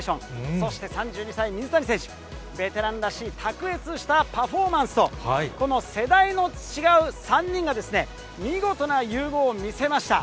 そして３２歳、水谷選手、ベテランらしい卓越したパフォーマンスと、この世代の違う３人が、見事な融合を見せました。